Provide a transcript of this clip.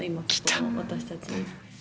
私たちに。